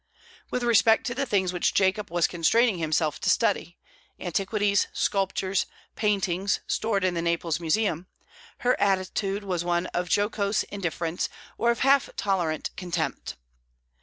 With respect to the things which Jacob was constraining himself to study antiquities, sculptures, paintings, stored in the Naples museum her attitude was one of jocose indifference or of half tolerant contempt.